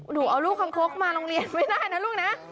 หนูเอาลูกคังคกมาโรงเรียนไม่ได้นะลูกนะ